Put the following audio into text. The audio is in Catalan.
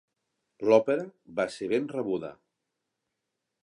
L'òpera va ser ben rebuda.